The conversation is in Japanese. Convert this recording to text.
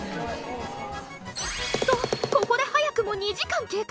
とここで早くも２時間経過。